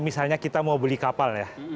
misalnya kita mau beli kapal ya